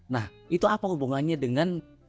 nah itu apa hubungannya dengan